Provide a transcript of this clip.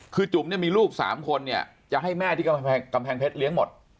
คือจุบมีลูก๓คนจะให้แม่ที่กำแพงเพชรเลี้ยงหมด